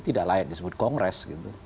tidak layak disebut kongres